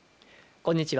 こんにちは。